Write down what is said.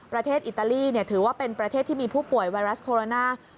ประเทศอิตาลีถือว่าเป็นประเทศที่มีผู้ป่วยไวรัสโคโรนา